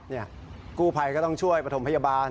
นี่กู้ภัยก็ต้องช่วยประถมพยาบาล